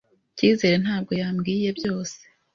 Cyizere ntabwo yambwiye byose.